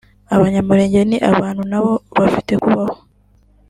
abanyamulenge ni abantu nabo bafite kubaho